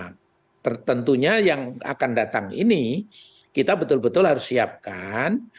nah tentunya yang akan datang ini kita betul betul harus siapkan